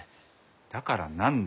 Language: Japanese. だから何だ？